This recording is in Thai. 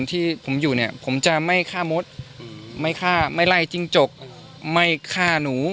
ที่ผมอยู่เนี่ยผมจะไม่ฆ่ามดไม่ฆ่าไม่ไล่จิ้งจกไม่ฆ่าหนู